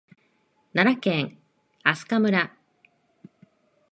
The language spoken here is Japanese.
奈良県明日香村